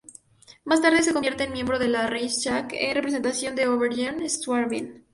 Más tarde se convierte en miembro del Reichstag, en representación de Oberbayern-Schwaben.